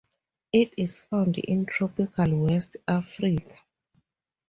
It is found in tropical West Africa.